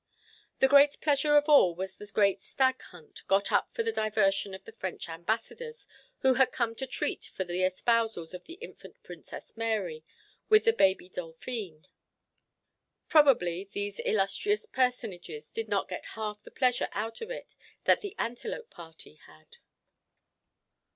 The great pleasure of all was a grand stag hunt, got up for the diversion of the French ambassadors, who had come to treat for the espousals of the infant Princess Mary with the baby "Dolphyne." Probably these illustrious personages did not get half the pleasure out of it that the Antelope party had.